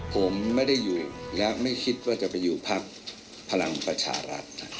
ผมไม่ได้อยู่และไม่คิดว่าจะไปอยู่พักพลังประชารัฐ